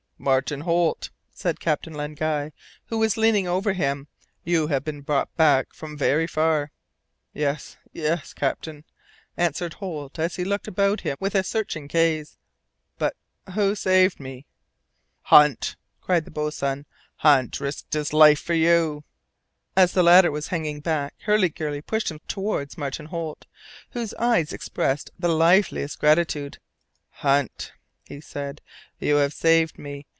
"Martin Holt," said Captain Len Guy, who was leaning over him, "you have been brought back from very far " "Yes, yes, captain," answered Holt, as he looked about him with a searching gaze, "but who saved me?" "Hunt," cried the boatswain, "Hunt risked his life for you." As the latter was hanging back, Hurliguerly pushed him towards Martin Holt, whose eyes expressed the liveliest gratitude. "Hunt," said he, "you have saved me.